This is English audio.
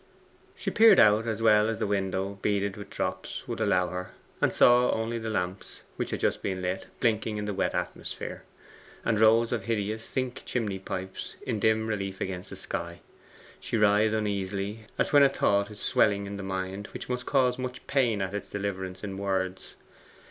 She peered out as well as the window, beaded with drops, would allow her, and saw only the lamps, which had just been lit, blinking in the wet atmosphere, and rows of hideous zinc chimney pipes in dim relief against the sky. She writhed uneasily, as when a thought is swelling in the mind which must cause much pain at its deliverance in words.